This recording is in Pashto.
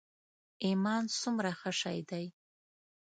ایمان څومره ښه شی دی.